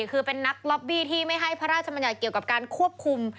คือเป็นนักล็อบบี้ที่ไม่ให้พระราชมัญญัติเกี่ยวกับการควบคุม